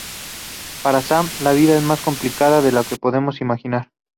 Para Sam, la vida es más complicada de lo que podamos imaginar.